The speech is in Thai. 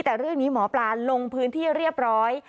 แต่เรื่องนี้หมอปลาลงพื้นที่เรียบร้อย